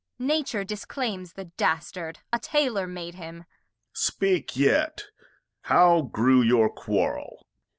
Nature disclaims the Dastard ; a Taylor made him. Duke. Speak yet, how grew your Quarrel